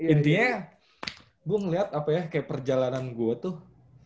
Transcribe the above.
intinya gue ngeliat apa ya kayak perjalanan gue tuh